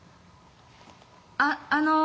「あっあのぉ」。